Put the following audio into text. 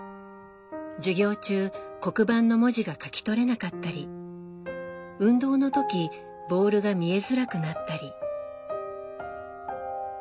授業中黒板の文字が書き取れなかったり運動の時ボールが見えづらくなったり。